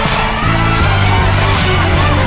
สวัสดีครับ